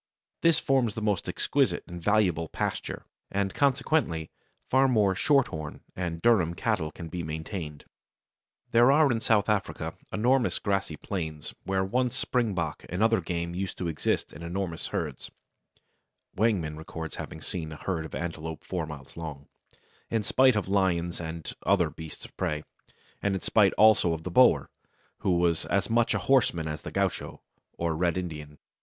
This forms the most exquisite and valuable pasture, and consequently far more Shorthorn and Durham cattle can be maintained. There are in South Africa enormous grassy plains, where once springbok and other game used to exist in enormous herds (Wangeman records having seen a herd of antelope four miles long), in spite of lions and other beasts of prey, and in spite also of the Boer, who was as much a horseman as the gaucho or Red Indian.